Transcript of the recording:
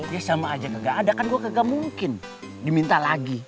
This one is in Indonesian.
ya sama aja gak ada kan gue gak mungkin diminta lagi